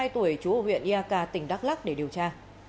bốn mươi hai tuổi chú huyện iak tỉnh đắk lắc để điều tra